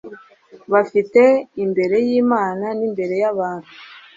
bafite imbere yImana nimbere yabantu